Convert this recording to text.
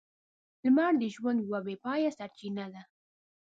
لمر د ژوند یوه بې پايه سرچینه ده.